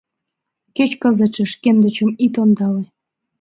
Кеч кызытше шкендычым ит ондале...